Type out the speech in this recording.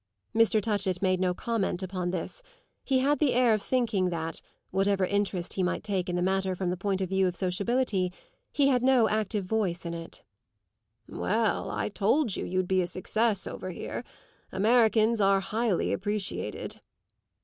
Mr. Touchett made no comment upon this; he had the air of thinking that, whatever interest he might take in the matter from the point of view of sociability, he had no active voice in it. "Well, I told you you'd be a success over here. Americans are highly appreciated."